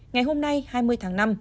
ngày hôm nay hai mươi tháng năm